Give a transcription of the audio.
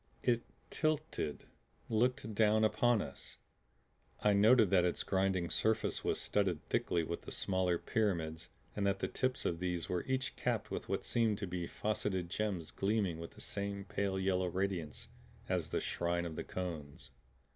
It tilted; looked down upon us! I noted that its grinding surface was studded thickly with the smaller pyramids and that the tips of these were each capped with what seemed to be faceted gems gleaming with the same pale yellow radiance as the Shrine of the Cones.